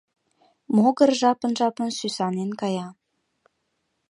Могыр жапын-жапын сӱсанен кая.